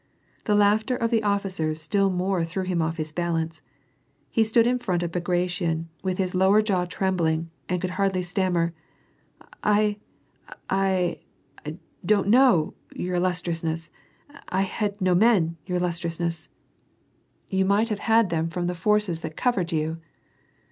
The laughter of the offi cers still more threw him off his balance. He stood in front of Bagration with his lower jaw trembling, and could hardly stam mer,— "I — I — don't know — your illustriousness — I had no men, your illustriousness" — 238 WAR AND t'EACn. '' You might have had them from the forces that covered you."